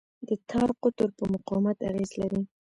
د تار قطر په مقاومت اغېز لري.